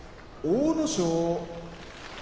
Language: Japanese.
阿武咲